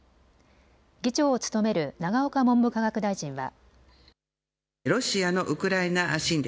議長を務める永岡文部科学大臣は。